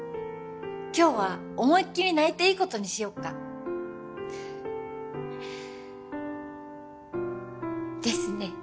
今日は思いっきり泣いていいことにしようかですね